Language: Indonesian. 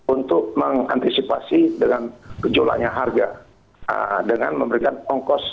untuk mengantisipasi dengan gejolaknya harga dengan memberikan ongkos